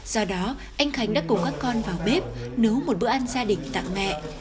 do đó anh khánh đã cùng các con vào bếp nấu một bữa ăn gia đình tặng mẹ